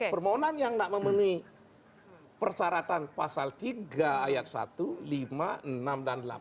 permohonan yang tidak memenuhi persyaratan pasal tiga ayat satu lima enam dan delapan